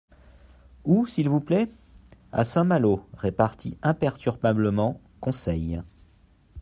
—Où, s'il vous plaît ? —A Saint-Malo, répartit imperturbablement Conseil.